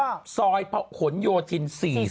กับซอยขนโยชน์๔๘